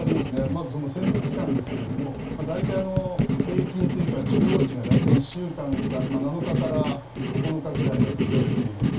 まず潜伏期間ですが大体、平均というか中央値が７日から９日くらいだと言われています。